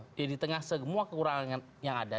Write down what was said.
jadi di tengah semua kekurangan yang ada